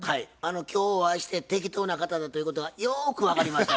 今日お会いして適当な方だということがよく分かりました。